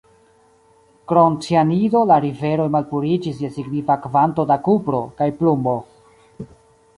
Krom cianido la riveroj malpuriĝis je signifa kvanto da kupro kaj plumbo.